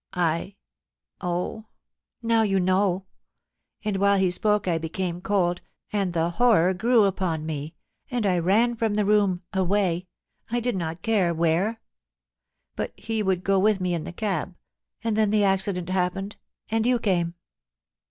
... I ... oh, now you know. ... And while he spoke I became cold, and the horror grew upon me, and I ran from the room, away — I did not care where. ... But he would go with me in the cab — and then the accident happened, and you came